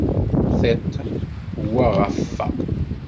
Tiṭ wwa ɣef-fa.